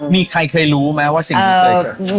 มีใครเคยรู้ไหมว่าสิ่งที่เคยเกิด